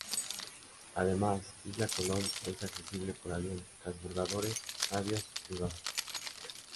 Además, isla Colón es accesible por avión, transbordadores, navíos privados.